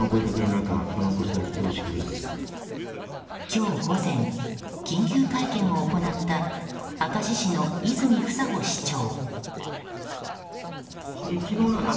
今日午前、緊急会見を行った明石市の泉房穂市長。